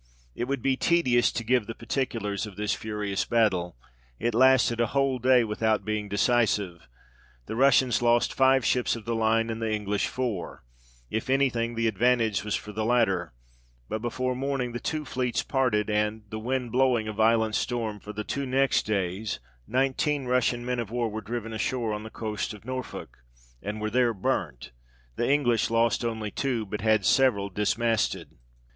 It would be tedious to give the particulars of this furious battle ; it lasted a whole day without being decisive ; the Russians lost five ships of the line, and the English four ; if any thing, the advantage was for the latter ; but before morning the two fleets parted, and, the wind blowing a violent storm for the two next days, nineteen Russian men of war were driven ashore on the coast of Norfolk, and were there burnt ; the English lost only two, but had several dismasted.